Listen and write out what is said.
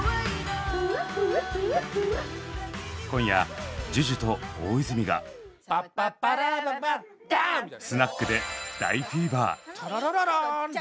今夜ＪＵＪＵと大泉がスナックで大フィーバー。